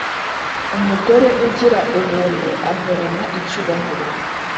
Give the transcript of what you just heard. umugore ugira ubuntu ahorana icyubahiro,